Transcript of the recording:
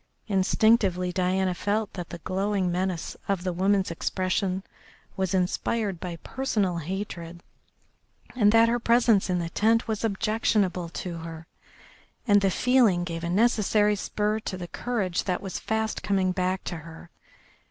Instinctively Diana felt that the glowing menace of the woman's expression was inspired by personal hatred, and that her presence in the lent was objectionable to her. And the feeling gave a necessary spur to the courage that was fast coming back to her.